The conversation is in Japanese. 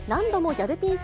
ギャルピース。